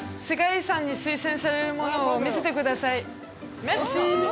世界遺産に推薦されるものを見せてくださいメルシー！